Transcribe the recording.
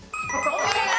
正解。